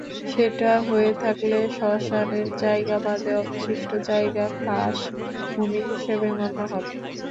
সেটা হয়ে থাকলে শ্মশানের জায়গা বাদে অবশিষ্ট জায়গা খাসভূমি হিসেবে গণ্য হবে।